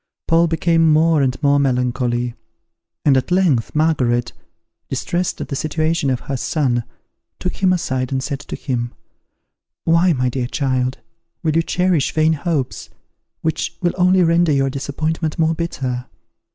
Paul became more and more melancholy; and at length Margaret, distressed at the situation of her son, took him aside and said to him, "Why, my dear child, will you cherish vain hopes, which will only render your disappointment more bitter?